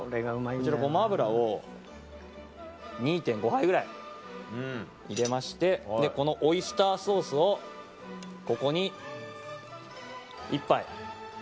こちらごま油を２．５杯ぐらい入れましてでこのオイスターソースをここに１杯。